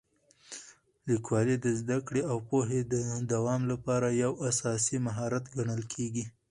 لیکوالی د زده کړې او پوهې د دوام لپاره یو اساسي مهارت ګڼل کېږي.